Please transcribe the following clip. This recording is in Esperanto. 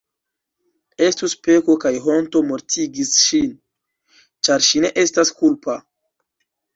Estus peko kaj honto mortigi ŝin, ĉar ŝi ne estas kulpa.